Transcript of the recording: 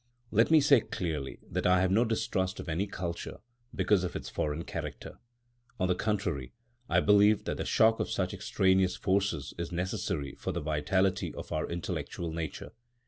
Let me say clearly that I have no distrust of any culture because of its foreign character. On the contrary, I believe that the shock of such extraneous forces is necessary for the vitality of our intellectual nature.